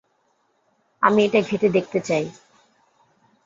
আমি এটা ঘেঁটে দেখতে চাই।